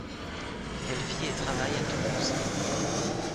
Elle vit et travaille à Toulouse.